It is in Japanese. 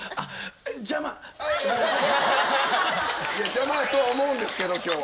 邪魔やとは思うんですけど今日。